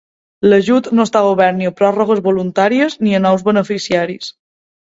L'ajut no està obert ni a pròrrogues voluntàries ni a nous beneficiaris.